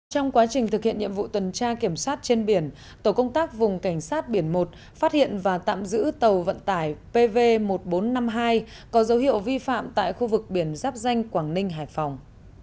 trong quá trình thực hiện nhiệm vụ tuần tra kiểm soát trên biển tổ công tác vùng cảnh sát biển một phát hiện và tạm giữ tàu vận tải pv một nghìn bốn trăm năm mươi hai có dấu hiệu vi phạm tại khu vực biển giáp danh quảng ninh hải phòng